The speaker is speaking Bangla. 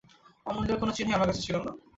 অমূল্যর কোনো চিহ্নই আমার কাছে ছিল না।